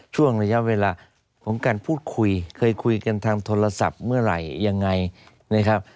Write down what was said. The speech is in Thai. ช่วงระยะเวลาของการพูดคุยเคยคุยกันทางโทรศัพท์เมื่อไหร่ยังไงนะครับ